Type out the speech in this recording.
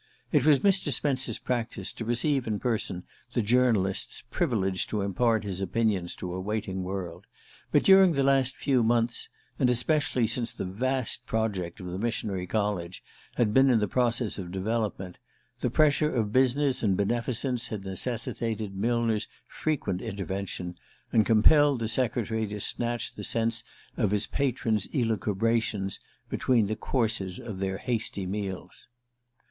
It was Mr. Spence's practice to receive in person the journalists privileged to impart his opinions to a waiting world; but during the last few months and especially since the vast project of the Missionary College had been in process of development the pressure of business and beneficence had necessitated Millner's frequent intervention, and compelled the secretary to snatch the sense of his patron's elucubrations between the courses of their hasty meals.